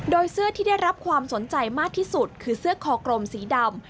โดยเสื้อที่ได้รับความสนใจมากที่สุดคือเสื้อคอกลมสีดำ